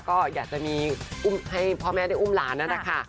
ก็อยากจะมีให้พ่อแม่ได้อุ้มหลานนะนะคะ